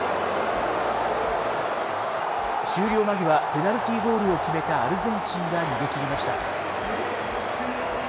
終了間際、ペナルティーゴールを決めたアルゼンチンが逃げきりました。